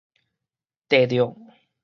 硩著